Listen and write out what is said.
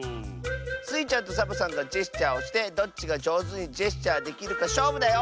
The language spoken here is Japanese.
スイちゃんとサボさんがジェスチャーをしてどっちがじょうずにジェスチャーできるかしょうぶだよ！